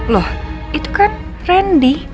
loh itu kan randy